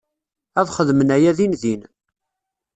Ad xedmen aya dindin.